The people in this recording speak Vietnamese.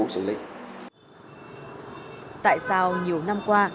sau nhiều năm qua